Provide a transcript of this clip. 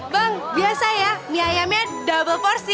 bang biasa ya mie ayamnya double porsi